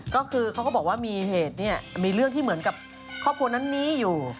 ก็คือเขาก็บอกว่ามีเหตุเนี่ยมีเรื่องที่เหมือนกับครอบครัวนั้นนี้อยู่